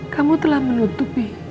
kamu telah menutupi